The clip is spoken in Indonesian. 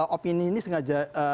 opini ini sengaja